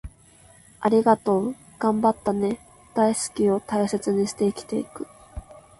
『ありがとう』、『頑張ったね』、『大好き』を大切にして生きていく